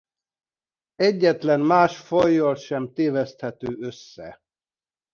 Egyetlen más fajjal sem téveszthető össze.